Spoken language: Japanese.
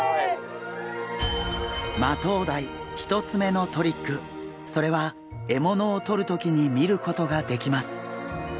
マトウダイ１つめのトリックそれは獲物をとる時に見ることができます。